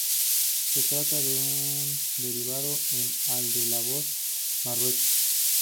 Se trata de un derivado en "-al" de la voz "berrueco".